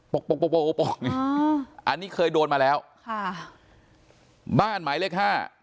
กปกปกปกปกปกนี่อันนี้เคยโดนมาแล้วค่ะบ้านหมายเลขห้า